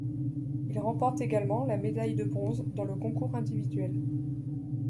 Il remporte également la médaille de bronze dans le concours individuel.